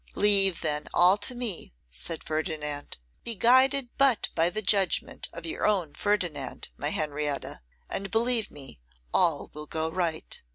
'Leave, then, all to me,' said Ferdinand; 'be guided but by the judgment of your own Ferdinand, my Henrietta, and believe me all will go right.